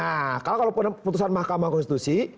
nah kalau putusan mahkamah konstitusi